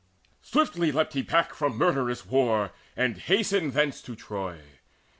Swiftly leapt he back From murderous war, and hasted thence to Troy.